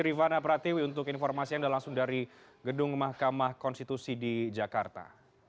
rihana pratiwi untuk informasi yang sudah langsung dari gedung mahkamah konstitusi di jakarta